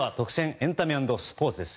エンタメ＆スポーツです。